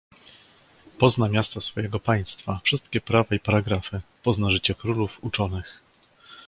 "Pozna miasta swojego państwa, wszystkie prawa i paragrafy, pozna życie królów, uczonych."